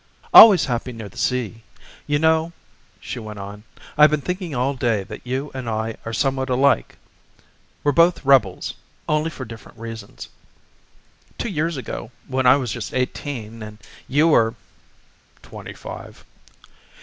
"Always happy near the sea. You know," she went on, "I've been thinking all day that you and I are somewhat alike. We're both rebels only for different reasons. Two years ago, when I was just eighteen and you were " "Twenty five."